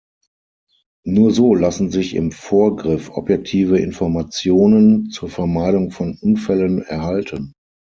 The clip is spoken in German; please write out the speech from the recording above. Nur so lassen sich im Vorgriff objektive Informationen zur Vermeidung von Unfällen erhalten.